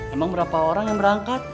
emang berapa orang yang berangkat